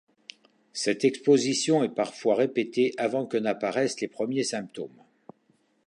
Cette exposition est parfois répétée avant que n'apparaissent les premiers symptômes.